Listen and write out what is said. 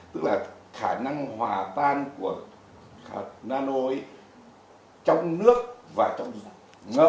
tức là khả năng hòa tan của nano trong nước và trong nước